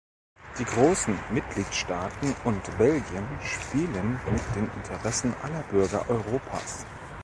Die großen Mitgliedstaaten und Belgien spielen mit den Interessen aller Bürger Europas.